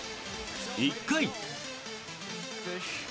１回。